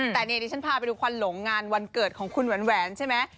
แต่นี่ดิฉันพาไปดูควันหลงงานวันเกิดของคุณแหวนใช่ไหม